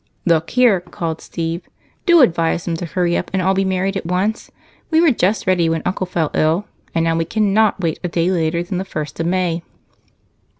"Look here," called Steve, "do advise them to hurry up and all be married at once. We were just ready when Uncle fell ill, and now we cannot wait a day later than the first of May."